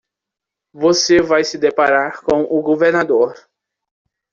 Você vai se deparar com o governador.